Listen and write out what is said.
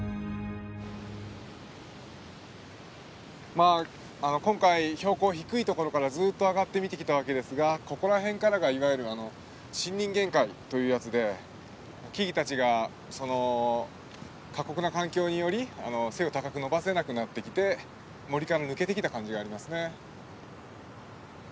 まあ今回標高低いところからずっと上がってみてきたわけですがここら辺からがいわゆるあの森林限界というやつで木々たちが過酷な環境により背を高く伸ばせなくなってきて森から抜けてきた感じがありますね。